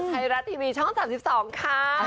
ใครรัดทีวีช่อง๓๒ค่ะ